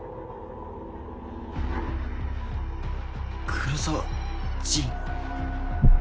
黒澤仁！？